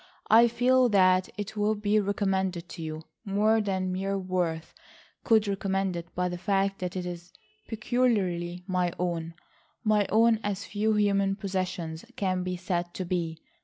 I feel that it will be recommended to you more than mere worth could recommend it by the fact that it is peculiarly my own,—my own as few human possessions can be said to be.